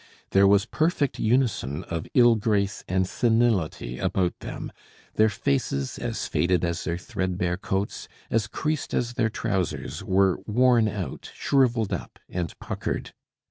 There was perfect unison of ill grace and senility about them; their faces, as faded as their threadbare coats, as creased as their trousers, were worn out, shrivelled up, and puckered.